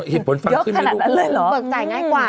เหตุผลเบิกจ่ายง่ายกว่า